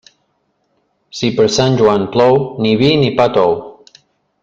Si per Sant Joan plou, ni vi ni pa tou.